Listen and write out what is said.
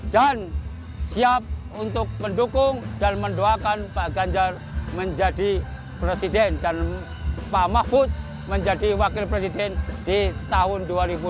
dan siap untuk mendukung dan mendoakan pak ganjar menjadi presiden dan pak mafut menjadi wakil presiden di tahun dua ribu dua puluh